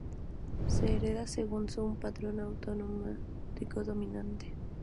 Se hereda según un patrón autosómico dominante.